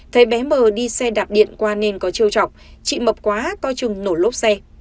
thầy bé m đi xe đạp điện qua nên có trêu chọc chị mập quá coi chừng nổ lốp xe